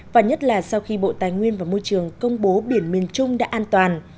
và nhất là sau khi bộ tài nguyên và môi trường công bố biển miền trung đã an toàn